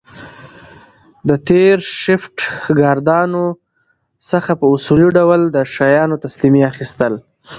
د تېر شفټ ګاردانو څخه په اصولي ډول د شیانو تسلیمي اخیستل